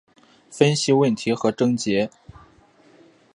分析问题和症结